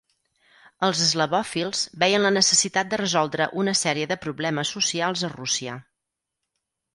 Els eslavòfils veien la necessitat de resoldre una sèrie de problemes socials a Rússia.